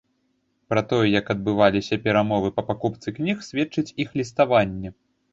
Пра тое, як адбываліся перамовы па пакупцы кніг, сведчыць іх ліставанне.